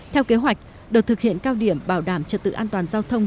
theo kế hoạch đợt thực hiện cao điểm bảo đảm trật tự an toàn giao thông